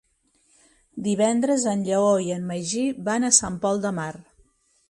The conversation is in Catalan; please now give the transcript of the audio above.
Divendres en Lleó i en Magí van a Sant Pol de Mar.